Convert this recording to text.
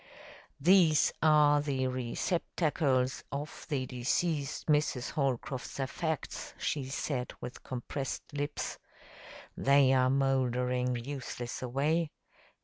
"These are the receptercles of the deceased Mrs. Holcroft's affects," she said with compressed lips. "They are moldering useless away.